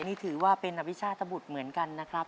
นี่ถือว่าเป็นอวิชาตบุตรเหมือนกันนะครับ